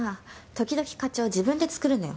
時々課長自分で作るのよ